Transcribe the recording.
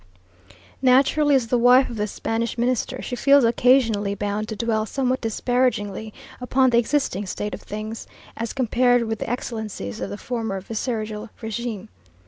Naturally, as the wife of the Spanish Minister, she feels occasionally bound to dwell somewhat disparagingly upon the existing state of things, as compared with the excellences of the former viceregal regime.